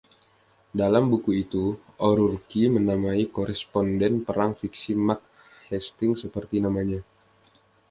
Dalam buku itu O'Rourke menamai koresponden perang fiksi Max Hastings seperti namanya.